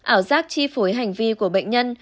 ảo giác chi phối hành vi của bệnh nhân